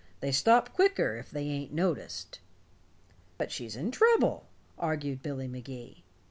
They stop quicker if they ain't noticed." "But she's in trouble," argued Billy Magee.